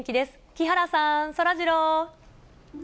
木原さん、そらジロー。